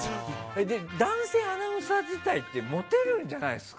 男性アナウンサー自体ってモテるんじゃないですか？